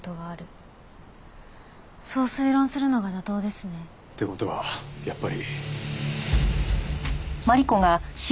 そう推論するのが妥当ですね。って事はやっぱり。